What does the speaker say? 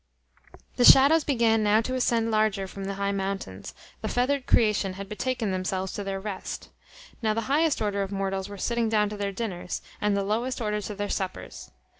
The shadows began now to descend larger from the high mountains; the feathered creation had betaken themselves to their rest. Now the highest order of mortals were sitting down to their dinners, and the lowest order to their suppers.